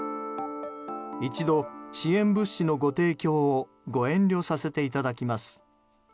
一度支援物資のご提供をご遠慮させていただきます。